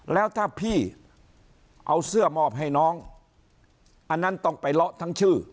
แล้วถ้าพี่เอาเสื้อมอบให้น้องอันนั้นต้องไปเลาะทั้งชื่อ